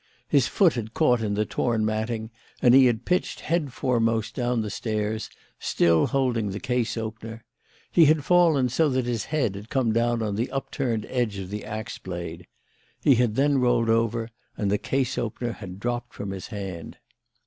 His foot had caught in the torn matting and he had pitched head foremost down the stairs, still holding the case opener. He had fallen so that his head had come down on the upturned edge of the axe blade; he had then rolled over and the case opener had dropped from his hand.